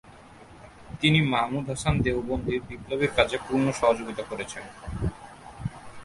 তিনি মাহমুদ হাসান দেওবন্দির বিপ্লবের কাজে পূর্ণ সহযোগিতা করেছেন।